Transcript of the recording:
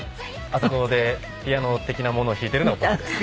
あそこでピアノ的なものを弾いてるのは僕です。